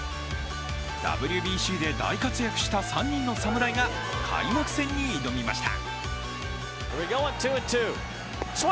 ＷＢＣで大活躍した３人の侍が開幕戦に挑みました。